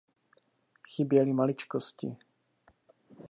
Chyběly maličkosti.